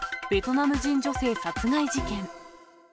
ベトナム人女性殺害事件。